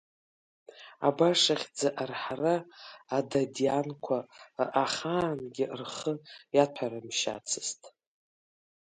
Абаша хьӡы арҳара Ададианқәа ахаангьы рхы иаҭәарымшьацызт!